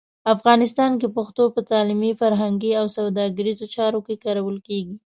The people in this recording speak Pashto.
افغانستان کې پښتو په تعلیمي، فرهنګي او سوداګریزو چارو کې کارول کېږي.